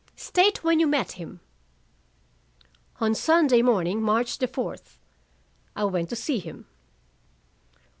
"State when you met him." "On Sunday morning, March the fourth. I went to see him."